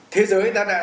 thế giới đã